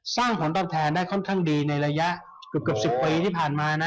ผลตอบแทนได้ค่อนข้างดีในระยะเกือบ๑๐ปีที่ผ่านมานะ